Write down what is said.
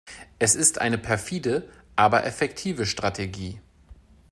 Es ist eine perfide, aber effektive Strategie.